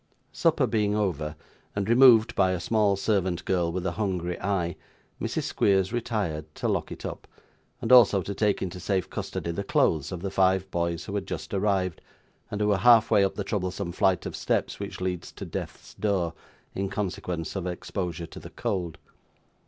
Supper being over, and removed by a small servant girl with a hungry eye, Mrs. Squeers retired to lock it up, and also to take into safe custody the clothes of the five boys who had just arrived, and who were half way up the troublesome flight of steps which leads to death's door, in consequence of exposure to the cold.